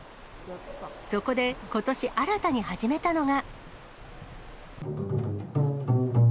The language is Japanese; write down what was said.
そこでことし新たに始めたのが。